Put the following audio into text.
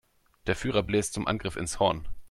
Der Führer bläst zum Angriff ins Horn.